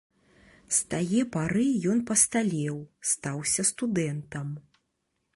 З тае пары ён пасталеў, стаўся студэнтам.